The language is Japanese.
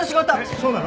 そうなの？